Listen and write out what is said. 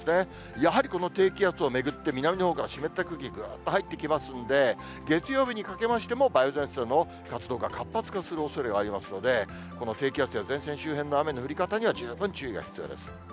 やはりこの低気圧を巡って、南のほうから湿った空気、ぐーっと入ってきますんで、月曜日にかけましても、梅雨前線の活動が活発化するおそれがありますので、この低気圧や前線周辺の雨の降り方には十分注意が必要です。